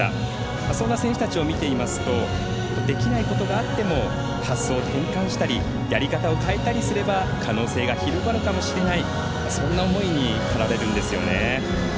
そんな選手たちを見ていますとできないことがあっても発想を転換したりやり方を変えたりすれば可能性が広がるかもしれないそんな思いに駆られるんですよね。